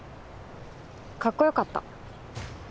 かっこよかった。